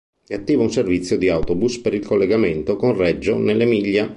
È attivo un servizio di autobus per il collegamento con Reggio nell'Emilia.